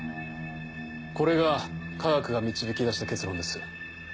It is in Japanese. これが科学が導き出した結論です。